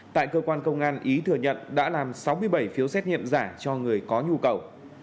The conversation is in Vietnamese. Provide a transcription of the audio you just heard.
tại cơ quan công an ý thừa nhận đã làm sáu mươi bảy phiếu xét nghiệm giả cho người có nhu cầu